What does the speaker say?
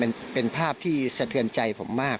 เป็นภาพที่สะเทือนใจผมมาก